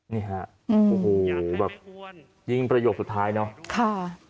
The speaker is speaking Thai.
นี่ค่ะยิงประโยชน์สุดท้ายเนอะ